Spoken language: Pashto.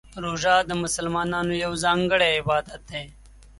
روژه د مسلمانانو یو ځانګړی عبادت دی.